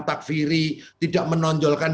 takfiri tidak menonjolkan